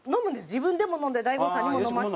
自分でも飲んで大悟さんにも飲ませて。